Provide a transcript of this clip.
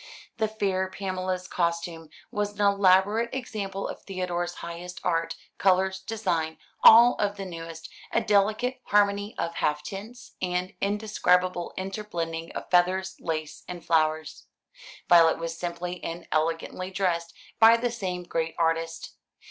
The fair Pamela's costume was an elaborate example of Theodore's highest art; colours, design, all of the newest a delicate harmony of half tints, an indescribable interblending of feathers, lace, and flowers. Violet was simply and elegantly dressed by the same great artist.